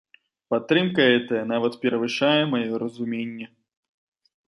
Падтрымка гэтая нават перавышае маё разуменне.